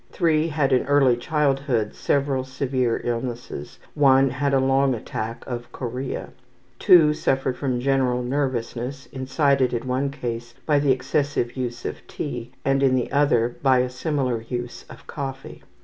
Three had in early childhood several severe illnesses, one had a long attack of ``chorea.'' Two suffered from general nervousness, incited in one case by the excessive use of tea and in the other by a similar use of coffee.